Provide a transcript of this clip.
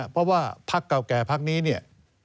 เพราะว่าภักษ์เก่าแก่ภักษ์นี้